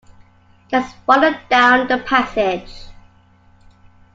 That's farther down the passage.